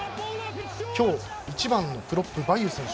今日一番のプロップ、バイユ選手